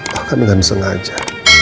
bahkan dengan sengaja